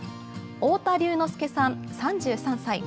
太田龍之介さん３３歳。